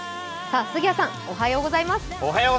杉谷さん、おはようございます。